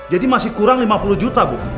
jadi masih kurang lima puluh juta bu